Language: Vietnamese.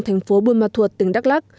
thành phố buôn ma thuột tỉnh đắk lắc